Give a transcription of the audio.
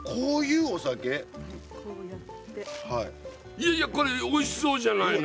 いやいやこれおいしそうじゃないの！